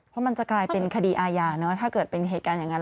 เพราะมันจะกลายเป็นคดีอาญาถ้าเกิดเป็นเหตุการณ์อย่างนั้น